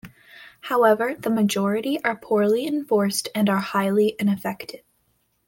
However, the majority are poorly enforced and are highly ineffective.